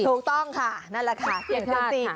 ถูกต้องค่ะนั่นแหละค่ะเสี่ยงเซียมซี